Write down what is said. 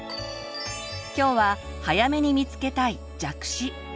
今日は早めに見つけたい「弱視」。